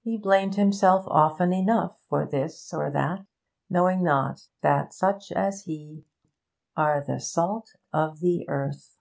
He blamed himself often enough for this or that, knowing not that such as he are the salt of the earth.